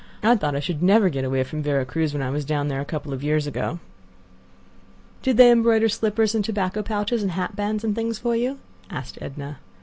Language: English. I thought I should never get away from Vera Cruz when I was down there a couple of years ago." "Did they embroider slippers and tobacco pouches and hat bands and things for you?" asked Edna.